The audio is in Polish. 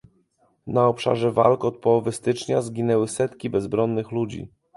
Na obszarze walk od połowy stycznia zginęły setki bezbronnych ludzi